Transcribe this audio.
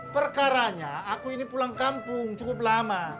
perkaranya aku ini pulang kampung cukup lama